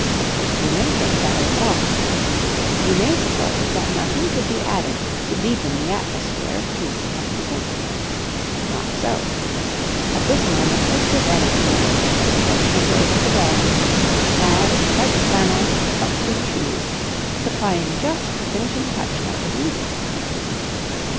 You may think that was all. You may suppose that nothing could be added to deepen the atmosphere of peace and content. Not so. At this moment, Mr. Bennett emerged from the French windows of the drawing room, clad in white flannels and buckskin shoes, supplying just the finishing touch that was needed.